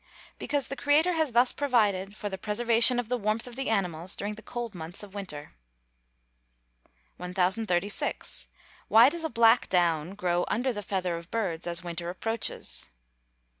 _ Because the creator has thus provided for the preservation of the warmth of the animals during the cold months of winter. 1036. _Why does a black down grow under the feathers of birds as winter approaches?